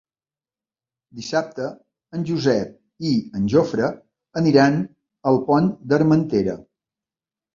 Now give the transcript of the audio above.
Dissabte en Josep i en Jofre aniran al Pont d'Armentera.